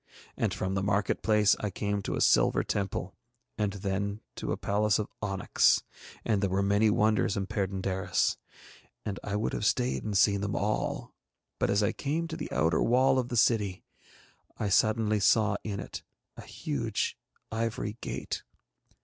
And from the market place I came to a silver temple and then to a palace of onyx, and there were many wonders in Perd├│ndaris, and I would have stayed and seen them all, but as I came to the outer wall of the city I suddenly saw in it a huge ivory gate.